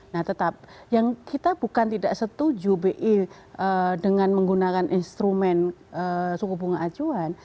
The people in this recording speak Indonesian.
nah tetap yang kita bukan tidak setuju bi dengan menggunakan instrumen suku bunga acuan